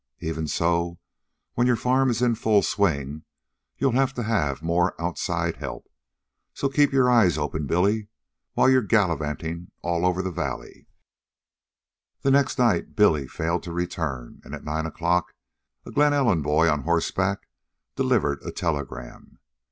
Even so, when your farm is in full swing you'll have to have more outside help. So keep your eyes open, Billy, while you're gallivanting over the valley." The next night Billy failed to return, and at nine o'clock a Glen Ellen boy on horseback delivered a telegram.